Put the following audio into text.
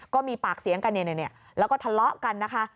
ก็มีปากเสียงกันแล้วก็ทะเลาะกันนะคะ